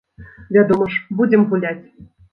Вядома ж, будзем гуляць.